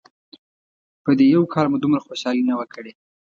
په دې یو کال مو دومره خوشحالي نه وه کړې.